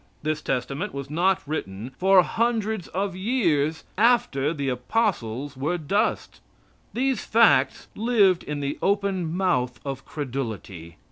This Testament was not written for hundreds of years after the Apostles were dust. These facts lived in the open mouth of credulity.